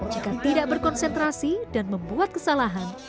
jika tidak berkonsentrasi dan membuat kesalahan